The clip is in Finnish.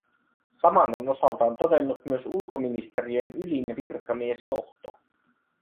Saman on osaltaan todennut myös ulkoministeriön ylin virkamiesjohto.